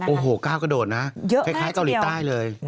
โอ้โหก้าวกระโดดนะเยอะมากเกี่ยวกับเกาหลีใต้เลย